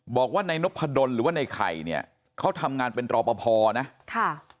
บอกว่านายนพดลหรือว่าในไข่เนี่ยเขาทำงานเป็นรอปภนะค่ะ